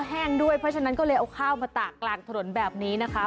แห้งด้วยเพราะฉะนั้นก็เลยเอาข้าวมาตากกลางถนนแบบนี้นะคะ